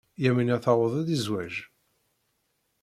Yamina tuweḍ-d i zzwaj.